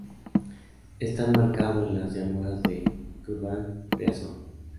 Está enmarcado en las llanuras de Kubán-Priazov.